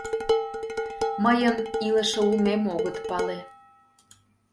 Мыйын илыше улмем огыт пале.